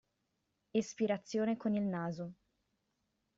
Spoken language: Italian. Espirazione con il naso.